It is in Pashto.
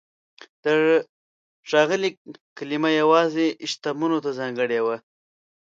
د "ښاغلی" کلمه یوازې شتمنو ته ځانګړې وه.